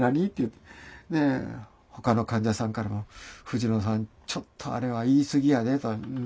で他の患者さんからも「藤野さんちょっとあれは言い過ぎやで」と。